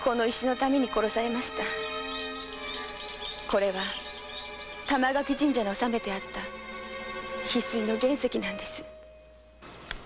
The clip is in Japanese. これは玉垣神社に納めてあったヒスイの原石なんです。